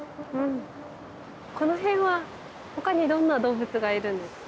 この辺はほかにどんな動物がいるんですか？